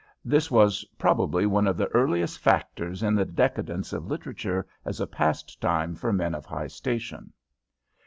This was probably one of the earliest factors in the decadence of literature as a pastime for men of high station.